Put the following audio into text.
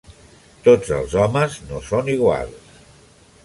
Tots els homes no són iguals.